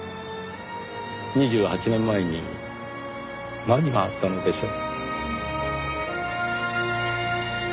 ２８年前に何があったのでしょう？